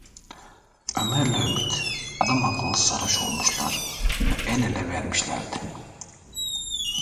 Ömer’le Ümit adamakıllı sarhoş olmuşlar ve el ele vermişlerdi.